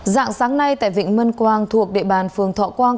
dạng sáng nay tại vịnh mân quang thuộc địa bàn phường thọ quang